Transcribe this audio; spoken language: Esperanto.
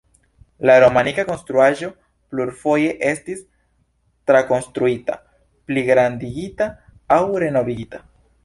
La romanika konstruaĵo plurfoje estis trakonstruita, pligrandigita aŭ renovigita.